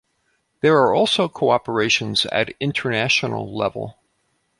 There are also cooperations at international level.